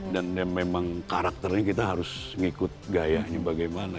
dan memang karakternya kita harus mengikut gayanya bagaimana